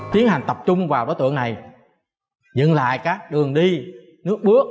tiến hành tập trung vào đối tượng này dựng lại các đường đi nước bước